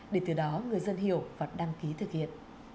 để từ đó người dân hiểu và đăng ký thực hiện